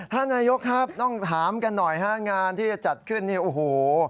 ท่านนายกครับต้องถามกันหน่อยฮะงานที่จะจัดขึ้นนี่โอ้โห